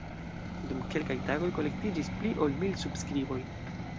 Dum kelkaj tagoj kolektiĝis pli ol mil subskriboj.